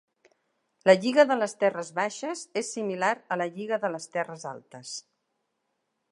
La lliga de les terres baixes és similar a la lliga de les terres altes.